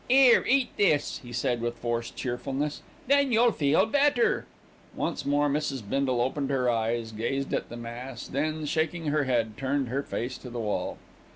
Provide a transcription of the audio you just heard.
"'Ere, eat this," he said with forced cheerfulness, "then you'll feel better." Once more Mrs. Bindle opened her eyes, gazed at the mass, then shaking her head, turned her face to the wall.